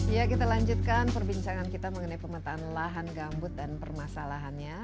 ya kita lanjutkan perbincangan kita mengenai pemetaan lahan gambut dan permasalahannya